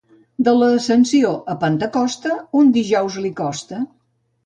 De l'Ascensió a Pentecosta, un dijous li costa.